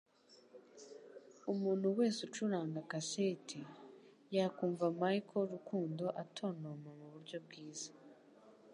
Umuntu wese ucuranga kaseti yakumva Michael Rukundo atontoma muburyo bwiza